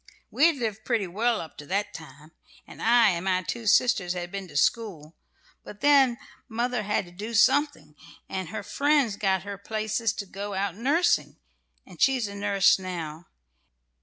We had lived pretty well up to that time, and I and my two sisters had been to school; but then mother had to do something, and her friends got her places to go out nursing, and she's a nurse now.